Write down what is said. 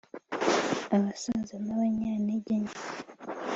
abasaza n’ abanyantegenke